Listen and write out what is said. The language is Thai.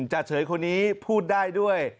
จ่าเฉยคนนี้พูดได้ด้วย